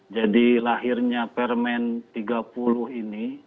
jadi lahirnya permen tiga puluh ini